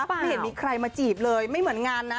ไม่เห็นมีใครมาจีบเลยไม่เหมือนงานนะ